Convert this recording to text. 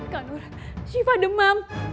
kak nur syifa demam